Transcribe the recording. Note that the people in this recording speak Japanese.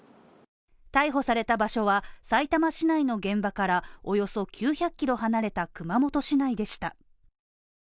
逮捕された場所はさいたま市内の現場からおよそ９００キロ離れた熊本市内でした。